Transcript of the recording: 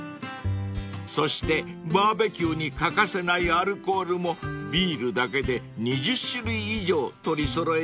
［そしてバーベキューに欠かせないアルコールもビールだけで２０種類以上取り揃えているんだそうです］